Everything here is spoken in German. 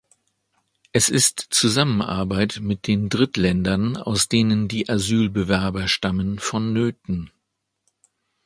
Es ist Zusammenarbeit mit den Drittländern, aus denen die Asylbewerber stammen, vonnöten.